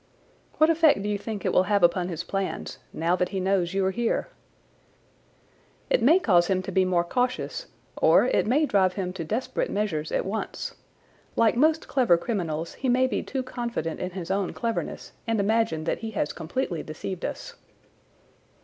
"What effect do you think it will have upon his plans now that he knows you are here?" "It may cause him to be more cautious, or it may drive him to desperate measures at once. Like most clever criminals, he may be too confident in his own cleverness and imagine that he has completely deceived us."